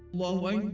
aduh apa lagi ini